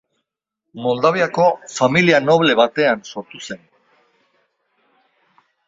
Moldaviako familia noble batean sortu zen.